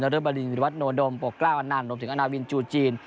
ด้วยบรินวิรวัตโนดมปกกล้าอันนั้นรวมถึงอาณาวินจูจีน